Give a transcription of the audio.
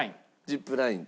ジップライン。